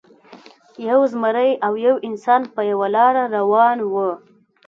یو زمری او یو انسان په یوه لاره روان وو.